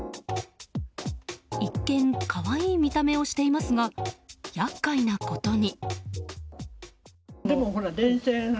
一見可愛い見た目をしていますが厄介なことに。